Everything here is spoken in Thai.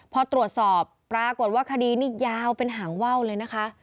พอตรวจสอบปรากฏว่าคดีนี้ยาวเป็นหางว่าวเลยนะคะ